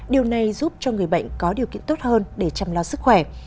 điều này giúp cho người bệnh có điều kiện tốt hơn để chăm lo sức khỏe